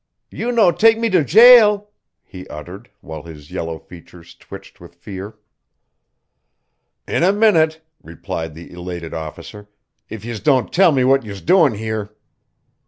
"You no take me to jail?" he uttered, while his yellow features twitched with fear. "In a minute," replied the elated officer, "if yez don't tell me what yez're doin' here.